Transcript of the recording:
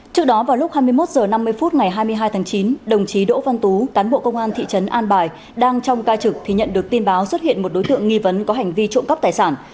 trước đó vào lúc hai mươi một h năm mươi phút ngày hai mươi hai tháng chín đồng chí đỗ văn tú cán bộ công an thị trấn an bài đang trong ca trực thì nhận được tin báo xuất hiện một đối tượng nghi vấn có hành vi trộm cắp tài sản